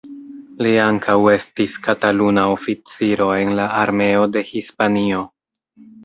Li ankaŭ estis Kataluna oficiro en la Armeo de Hispanio.